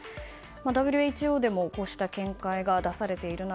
ＷＨＯでもこうした見解が出されている中